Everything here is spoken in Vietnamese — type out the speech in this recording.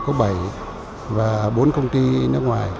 việt nam thì có bảy và bốn công ty nước ngoài